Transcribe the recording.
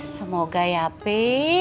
semoga ya bi